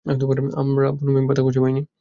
আমরা বুনো নিম পাতা খুঁজে পাইনি।